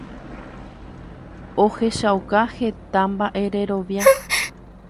ohechauka heta mba'ererovia